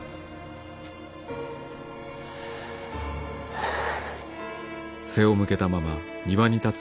はあ。